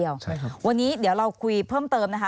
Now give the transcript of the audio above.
ใช่ค่ะวันนี้เดี๋ยวเราคุยเพิ่มเติมนะคะ